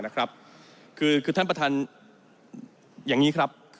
คือท่านประธานอย่างนี้ครับ